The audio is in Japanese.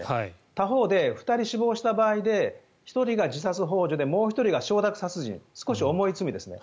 他方で、２人死亡した場合で１人が自殺ほう助でもう１人が承諾殺人少し重い罪ですね。